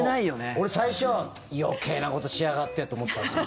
俺、最初余計なことしやがってと思ったんですよ。